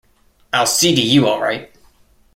I'll see to you all right.